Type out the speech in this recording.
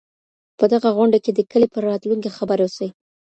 په دغه غونډې کي د کلي پر راتلونکي خبري وسوې.